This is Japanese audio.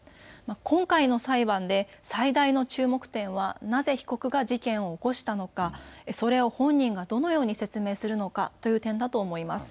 今回の裁判で最大の注目点はなぜ被告が事件を起こしたのか、それを本人がどのように説明するのかという点だと思います。